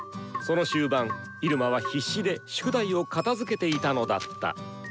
その終盤入間は必死で宿題を片づけていたのだった。